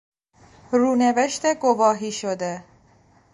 رونوشت گواهی شده